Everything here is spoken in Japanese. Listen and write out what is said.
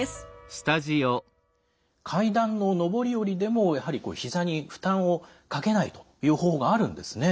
階段の上り下りでもやはりひざに負担をかけないという方法があるんですね。